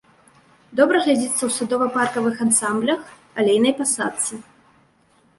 Добра глядзіцца ў садова-паркавых ансамблях, алейнай пасадцы.